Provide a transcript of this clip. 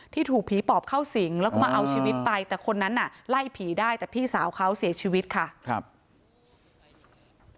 ถูกผีปอบเข้าสิงแล้วก็มาเอาชีวิตไปแต่คนนั้นน่ะไล่ผีได้แต่พี่สาวเขาเสียชีวิตค่ะครับ